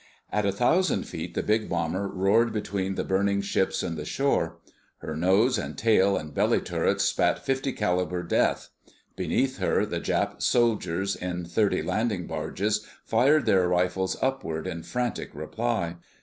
At a thousand feet the big bomber roared between the burning ships and the shore. Her nose and tail and belly turrets spat .50 caliber death. Beneath her the Jap soldiers in thirty landing barges fired their rifles upward in frantic reply.